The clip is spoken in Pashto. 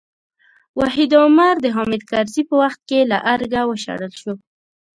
وحید عمر د حامد کرزي په وخت کې له ارګه وشړل شو.